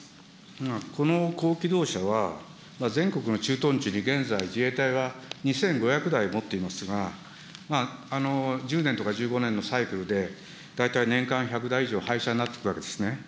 この高機動車は、全国の駐屯地に現在、自衛隊は２５００台持っていますが、１０年とか１５年のサイクルで、大体年間１００台以上廃車になっていくわけですね。